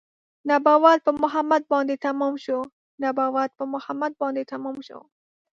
نبوت په محمد باندې تمام شو نبوت په محمد باندې تمام شو